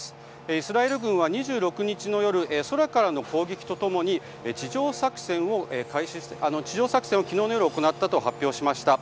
イスラエル軍は、２６日の夜空からの攻撃と共に地上作戦を昨日の夜行ったと発表しました。